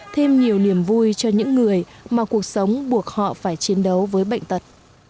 thêm nhiều niềm vui cho những người mà cuộc sống buộc họ phải chiến đấu với bệnh tật